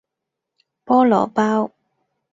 菠蘿包